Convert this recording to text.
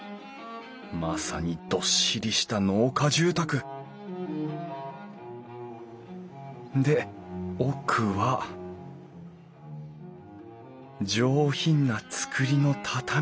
まさにどっしりした農家住宅で奥は上品な作りの畳敷き。